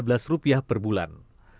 berikut adalah kategori p satu